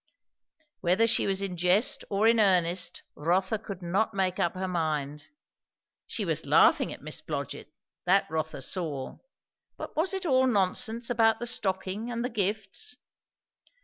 Whether she were in jest or in earnest, Rotha could not make up her mind. She was laughing at Miss Blodgett, that Rotha saw; but was it all nonsense about the stocking and the gifts?